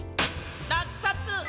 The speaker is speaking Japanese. らくさつ！